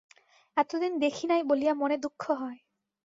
এতদিন দেখি নাই বলিয়া মনে দুঃখ হয়।